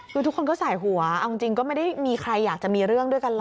คือทุกคนก็ใส่หัวเอาจริงก็ไม่ได้มีใครอยากจะมีเรื่องด้วยกันหรอ